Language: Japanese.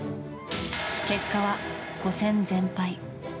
結果は、５戦全敗。